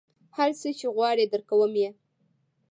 هر څه چې غواړې درکوم یې.